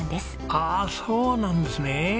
ああそうなんですね。